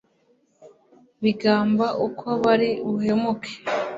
bigamba uko bari buhemuke